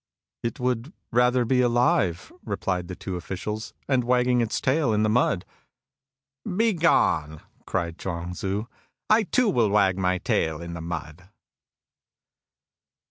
" It would rather be alive," replied the two officials, " and wagging its tail in the mud." " Begone !" cried ^luang Tzu. " I too will wag my tail in the mud."